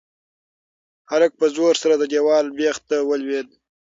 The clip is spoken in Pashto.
هلک په زور سره د دېوال بېخ ته ولوېد.